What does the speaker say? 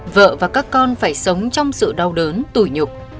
vợ và các con phải sống trong sự đau đớn tủi nhục